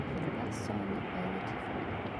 last song by Latifa